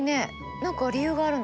何か理由があるのかな？